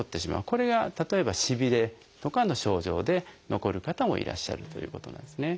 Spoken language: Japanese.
これが例えばしびれとかの症状で残る方もいらっしゃるということなんですね。